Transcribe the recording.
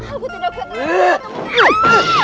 aku tidak kuat